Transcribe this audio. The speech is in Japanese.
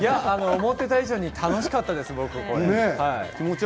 思っていた以上に楽しかったです。